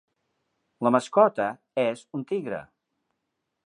La mascota és un tigre.